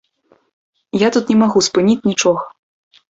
Я тут не магу спыніць нічога.